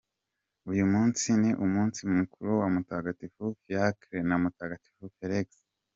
Uyu munsi ni umunsi mukuru wa Mutagatifu Fiacre na Mutagatifu Felix.